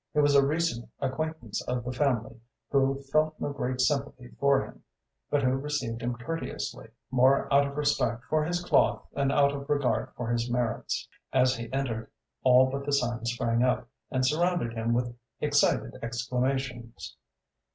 He was a recent acquaintance of the family, who felt no great sympathy for him, but who received him courteously more out of respect for his cloth than out of regard for his merits. As he entered, all but the son sprang up and surrounded him with excited exclamations.